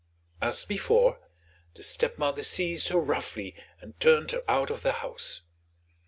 As before, the stepmother seized her roughly and turned her out of the house.